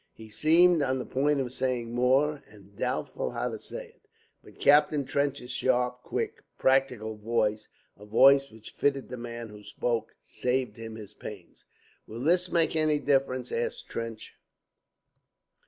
He seemed on the point of saying more, and doubtful how to say it. But Captain Trench's sharp, quick, practical voice, a voice which fitted the man who spoke, saved him his pains. "Will this make any difference?" asked Trench.